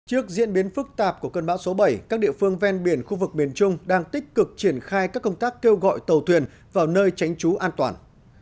trước diễn biến phức tạp của cơn bão số bảy các địa phương ven biển khu vực miền trung đang tích cực triển khai các công tác kêu gọi tàu thuyền vào nơi tránh trú an toàn